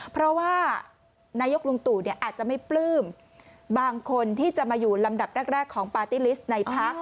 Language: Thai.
เพราะว่านายกลุงตู่อาจจะไม่ปลื้มบางคนที่จะมาอยู่ลำดับแรกของปาร์ตี้ลิสต์ในพัก